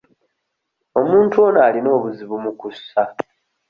Omuntu ono alina obuzibu mu kussa.